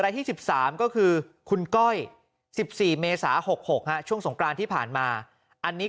ที่๑๓ก็คือคุณก้อย๑๔เมษา๖๖ช่วงสงกรานที่ผ่านมาอันนี้